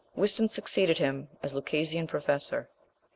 Whiston succeeded him as Lucasian Professor.